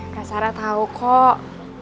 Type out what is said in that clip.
kak sarah tahu kok